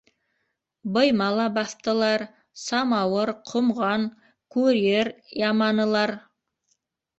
Быйма ла баҫтылар, самауыр- ҡомған, күр-ер яманылар.